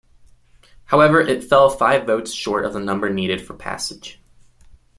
However, it fell five votes short of the number needed for passage.